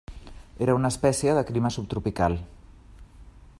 Era una espècie de clima subtropical.